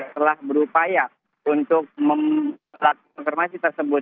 telah berupaya untuk membuat informasi tersebut